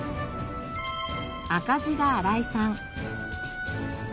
赤字が荒井さん。